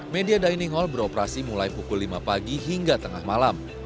media dining hall beroperasi mulai pukul lima pagi hingga tengah malam